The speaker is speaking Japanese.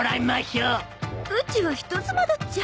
うちは人妻だっちゃ。